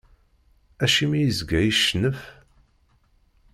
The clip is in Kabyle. Acimi izga icennef?